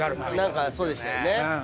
何かそうでしたよね。